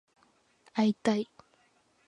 会いたい